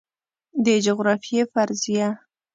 د جغرافیې فرضیه